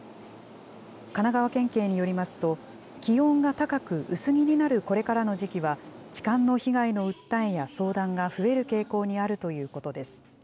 神奈川県警によりますと、気温が高く薄着になるこれからの時期は、痴漢の被害の訴えや、相談が増える傾向にあるということです。